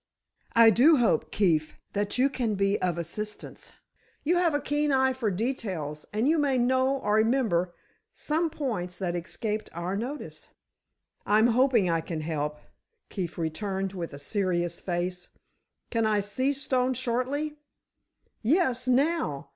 "I do hope, Keefe, that you can be of assistance. You have a keen eye for details, and may know or remember some points that escaped our notice." "I'm hoping I can help," Keefe returned with a serious face. "Can I see Stone shortly?" "Yes, now.